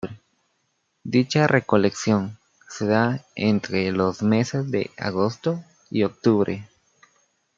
Dicha recolección se da entre los meses de agosto y octubre.